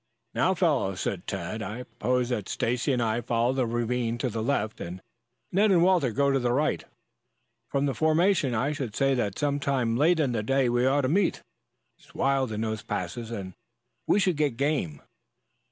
"Now, fellows," said Tad, "I propose that Stacy and I follow that ravine to the left and Ned and Walter go to the right. From the formation I should say that some time late in the day we ought to meet. It's wild in those passes, and we should get game."